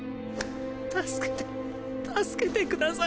助けて助けてください。